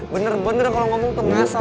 bener bener kalau ngomong tengah saat